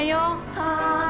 はい！